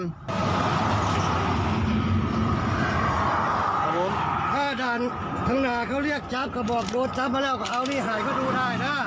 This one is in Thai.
ครับผมถ้าด่านข้างหน้าเขาเรียกจับก็บอกโดนจับมาแล้วก็เอานี่ให้เขาดูได้นะ